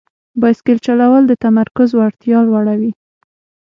بایسکل چلول د تمرکز وړتیا لوړوي.